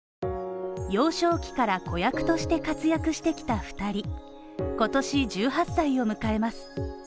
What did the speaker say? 幼少期から子役として活躍してきた２人、今年１８歳を迎えます。